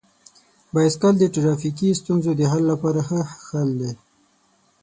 بایسکل د ټرافیکي ستونزو د حل لپاره ښه حل دی.